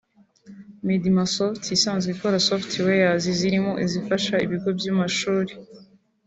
Medmasoft isanzwe ikora softwares zirimo izifasha ibigo by’amashuri